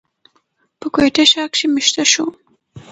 پۀ کوئټه ښار کښې ميشته شو،